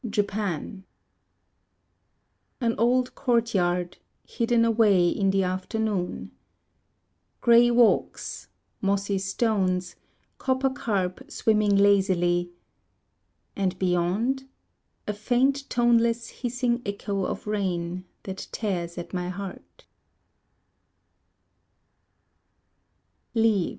Japan An old courtyard Hidden away In the afternoon. Grey walks, Mossy stones, Copper carp swimming lazily, And beyond, A faint toneless hissing echo of rain That tears at my heart.